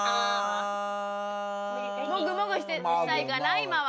もぐもぐしたいかな今は。